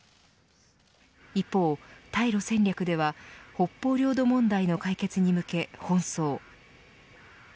一方、対露戦略では北方領土問題の解決に向け奔走。